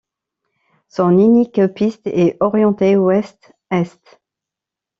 Son unique piste est orientée ouest-est.